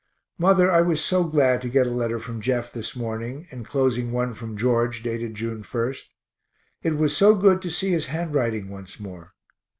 Mother, I was so glad to get a letter from Jeff this morning, enclosing one from George dated June 1st. It was so good to see his handwriting once more.